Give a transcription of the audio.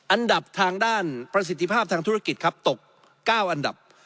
อันดับทางด้านประสิทธิภาพทางธุรกิจครับตก๙อันดับ